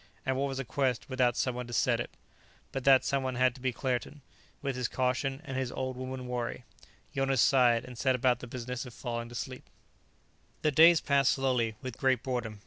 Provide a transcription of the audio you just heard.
And what was a quest without someone to set it? But that the someone had to be Claerten, with his caution and his old woman worry Jonas sighed and set about the business of falling asleep. The days passed slowly, with great boredom.